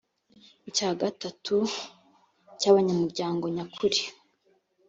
icya gatatu cy abanyamuryango nyakuri